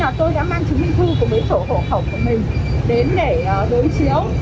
thế nên là tôi đã mang chứng minh thư của mấy sổ hộ khẩu của mình đến để đối chiếu